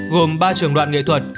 gồm ba trường đoạn nghệ thuật